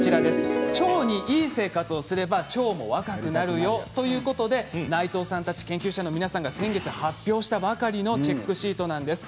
腸にいい生活をすれば腸も若くなるよということで内藤さんたち研究者の皆さんが先月発表したばかりのチェックシートです。